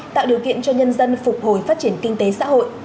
tạo điều kiện cho nhân dân phục hồi phát triển kinh tế xã hội